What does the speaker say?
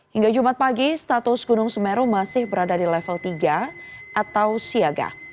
hingga jumat pagi status gunung semeru masih berada di level tiga atau siaga